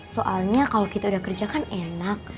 soalnya kalau kita udah kerja kan enak